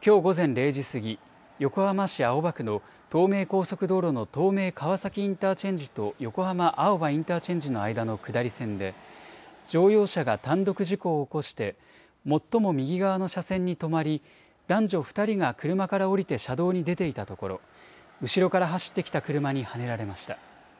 きょう午前０時過ぎ、横浜市青葉区の東名高速道路の東名川崎インターチェンジと横浜青葉インターチェンジの間の下り線で、乗用車が単独事故を起こして、最も右側の車線に止まり、男女２人が車から降りて車道に出ていたところ、後ろから走ってきた車にはねられました。